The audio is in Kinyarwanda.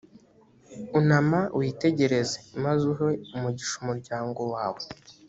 unama witegereze, maze uhe umugisha umuryango wawe,